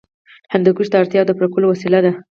هندوکش د اړتیاوو د پوره کولو وسیله ده.